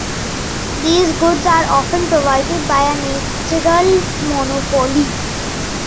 These goods are often provided by a natural monopoly.